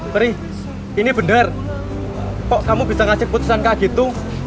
prih ini bener kok kamu bisa ngasih putusan kak gitu